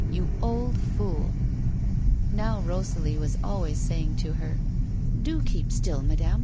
You old fool !" Now Eosalie was always saying to her :" Do keep still, madame.